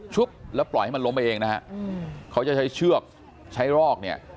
แล้วปล่อยให้มันล้มไปเองนะฮะเขาจะใช้เชือกใช้รอกเนี่ย